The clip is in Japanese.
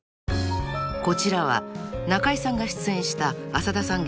［こちらは中井さんが出演した浅田さん